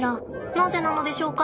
なぜなのでしょうか？